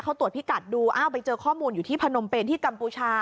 เขาตรวจพิกัดดูอ้าวไปเจอข้อมูลอยู่ที่พนมเป็นที่กัมพูชา